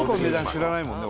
知らないもんね